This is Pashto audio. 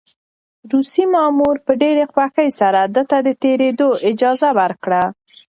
روسي مامور په ډېرې خوښۍ سره ده ته د تېرېدو اجازه ورکړه.